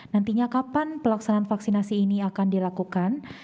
nantinya kapan pelaksanaan vaksinasi ini akan dilakukan